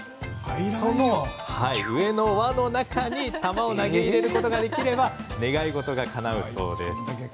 その上の輪の中に玉を投げ入れることができれば願い事が、かなうそうです。